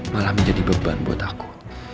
malah menjadi beban buat aku